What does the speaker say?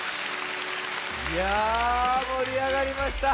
いやもりあがりました。